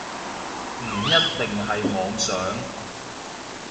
唔一定係妄想